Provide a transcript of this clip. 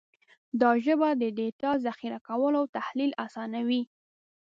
دا ژبه د ډیټا ذخیره کول او تحلیل اسانوي.